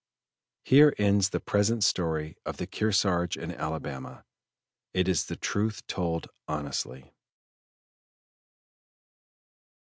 Here ends the present story of the Kearsarge and Alabama. It is the truth told honestly.